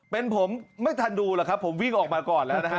เป็นผมไม่ทันดูหรอกครับผมวิ่งออกมาก่อนแล้วนะฮะ